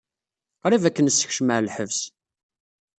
Qrib ad k-nessekcem ɣer lḥebs.